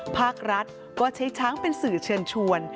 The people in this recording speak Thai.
ภาครัฐก็ใช้ช้างเป็นสื่อเชิญชวน